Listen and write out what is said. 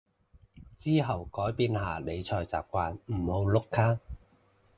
之後改變下理財習慣唔好碌卡